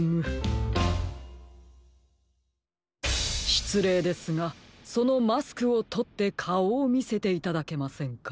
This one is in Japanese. しつれいですがそのマスクをとってかおをみせていただけませんか？